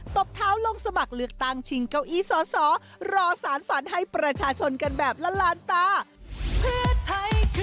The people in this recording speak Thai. ตบเท้าลงสมัครเลือกตั้งชิงเก้าอี้สอสอรอสารฝันให้ประชาชนกันแบบละลานตา